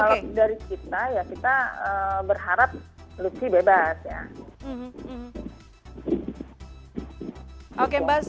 kalau dari kita ya kita berharap lutfi bebas ya